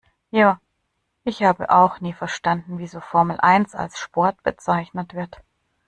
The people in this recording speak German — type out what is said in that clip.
Ja, ich habe auch nie verstanden wieso Formel eins als Sport bezeichnet wird.